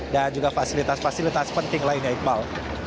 dan juga fasilitas fasilitas penting lainnya iqbal